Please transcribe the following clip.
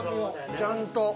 ちゃんと。